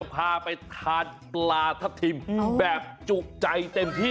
พาไปทานปลาทับทิมแบบจุใจเต็มที่